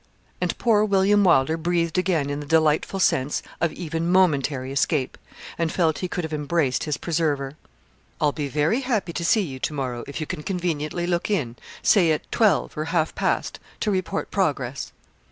And poor William Wylder breathed again in the delightful sense of even momentary escape, and felt he could have embraced his preserver. 'I'll be very happy to see you to morrow, if you can conveniently look in say at twelve, or half past, to report progress.'